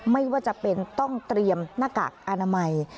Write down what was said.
ไม่ว่าจะเป็นต้องเตรียมหน้ากากอนามัย